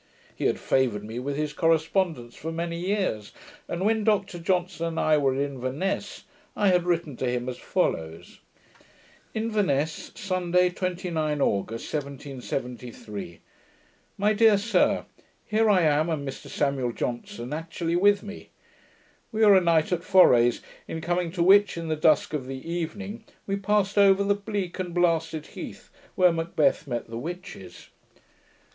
He had favoured me with his correspondence for many years; and when Dr Johnson and I were at Inverness, I had written to him as follows: Inverness, My dear Sir, Sunday, 29 August, 1773 Here I am, and Mr Samuel Johnson actually with me. We were a night at Fores, in coming to which, in the dusk of the evening, we passed over a bleak and blasted heath where Macbeth met the witches.